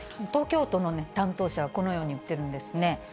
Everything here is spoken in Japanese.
東京都の担当者はこのように言ってるんですね。